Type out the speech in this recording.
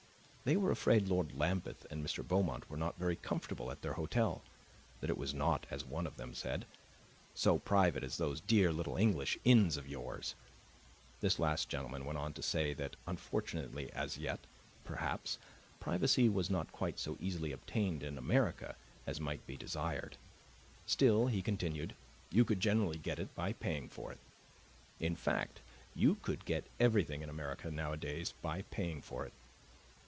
They were afraid Lord Lambeth and Mr. Beaumont were not very comfortable at their hotel; that it was not, as one of them said, "so private as those dear little English inns of yours." This last gentleman went on to say that unfortunately, as yet, perhaps, privacy was not quite so easily obtained in America as might be desired; still, he continued, you could generally get it by paying for it; in fact, you could get everything in America nowadays by paying for it.